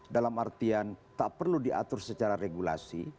dalam artian tak perlu diatur secara regulasi